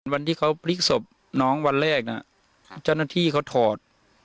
วันที่เขาพลิกศพน้องวันแรกนะเจ้าหน้าที่เขาถอด